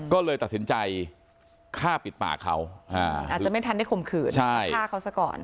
ก็เลยตัดสินใจฆ่าปิดปากเขาอาจจะไม่ทันได้ข่มขืนฆ่าเขาซะก่อน